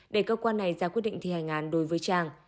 để cơ quan này ra quyết định thi hành án đối với trang